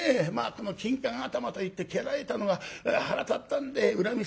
この金柑頭」と言って蹴られたのが腹立ったんで恨み説。